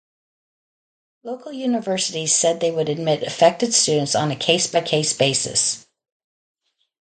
Local universities said they would admit affected students on a case-by-case basis.